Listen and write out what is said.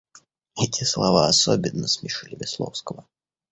Эти слова особенно смешили Весловского.